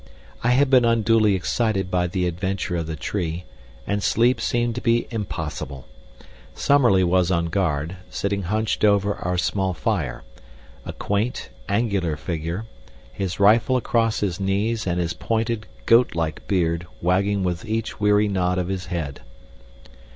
I had been unduly excited by the adventure of the tree, and sleep seemed to be impossible. Summerlee was on guard, sitting hunched over our small fire, a quaint, angular figure, his rifle across his knees and his pointed, goat like beard wagging with each weary nod of his head.